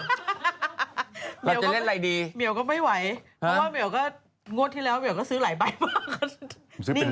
เมียวก็ไม่ไหวเพราะว่าเมียวก็งวดที่แล้วเมียวก็ซื้อหลายใบบ้าง